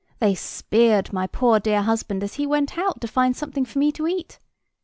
They speared my poor dear husband as he went out to find something for me to eat.